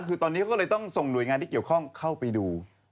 คือตอนนี้เขาก็เลยต้องส่งหน่วยงานที่เกี่ยวข้องเข้าไปดู